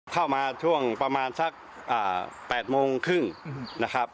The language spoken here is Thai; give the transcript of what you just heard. เข้ามาช่วงประมาณสัก๘โมงครึ่งนะครับ